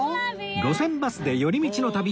『路線バスで寄り道の旅』